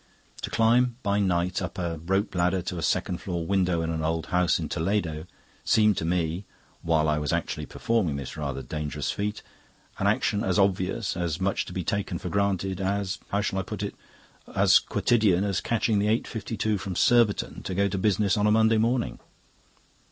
To climb by night up a rope ladder to a second floor window in an old house in Toledo seemed to me, while I was actually performing this rather dangerous feat, an action as obvious, as much to be taken for granted, as how shall I put it? as quotidian as catching the 8.52 from Surbiton to go to business on a Monday morning.